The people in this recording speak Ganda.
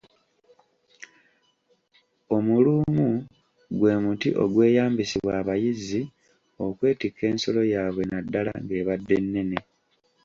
Omuluumu gwe muti ogweyambisimbwa abayizzi okwetikka ensolo yaabwe naddala ng’ebadde nnene.